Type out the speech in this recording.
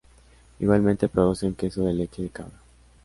Igualmente producen queso de leche de cabra.